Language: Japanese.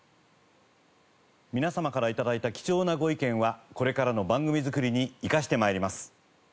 皆様から頂いた貴重なご意見はこれからの番組作りに生かして参ります。